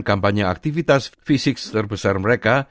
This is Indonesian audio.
kampanye aktivitas fisik terbesar mereka